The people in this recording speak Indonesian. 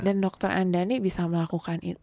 jadi dokter andani bisa melakukan itu